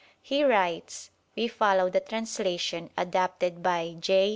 He writes (we follow the translation adopted by J.